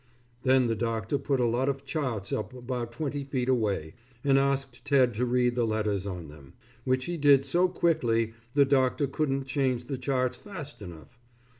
Then the doctor put a lot of charts up about twenty feet away, and asked Ted to read the letters on them, which he did so quickly the doctor couldn't change the charts fast enough.